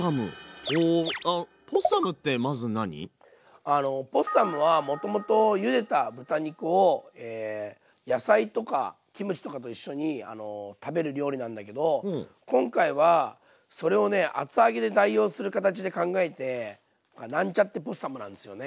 おあのポッサムはもともとゆでた豚肉を野菜とかキムチとかと一緒に食べる料理なんだけど今回はそれをね厚揚げで代用するかたちで考えてなんちゃってポッサムなんですよね。